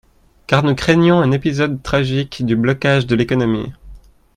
Car nous craignons un épisode tragique du blocage de l’économie.